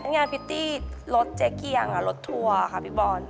งานพิตตี้รถเจ๊เกียงรถทัวร์ค่ะพี่บอล